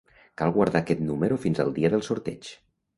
Cal guardar aquest número fins al dia del sorteig.